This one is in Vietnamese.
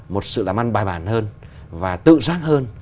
một sự làm ăn bài bản hơn và tự giác hơn